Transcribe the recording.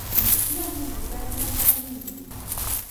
إِنَّهُ مِنْ عِبَادِنَا الْمُؤْمِنِينَ